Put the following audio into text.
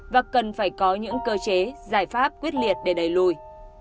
và cần phải có những cơ chế giải pháp quyết liệt để đẩy lùi